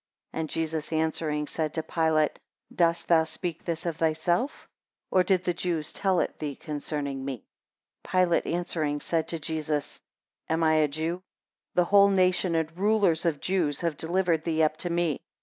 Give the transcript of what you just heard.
7 And Jesus answering, said to Pilate, Dost thou speak this of thyself, or did the Jews tell it thee concerning me? 8 Pilate answering, said to Jesus, Am I a Jew? The whole nation and rulers of the Jews have delivered thee up to me.